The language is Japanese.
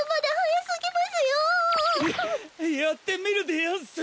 ややってみるでやんす。